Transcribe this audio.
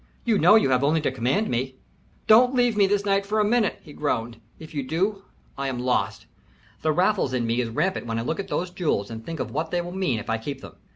"You know you have only to command me." "Don't leave me this night for a minute," he groaned. "If you do, I am lost. The Raffles in me is rampant when I look at those jewels and think of what they will mean if I keep them.